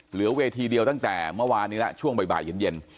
เหลือเวทีเดียวตั้งแต่เมื่อวานนี้แล้วช่วงบ่ายเย็น